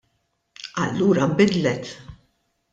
Allura nbidlet.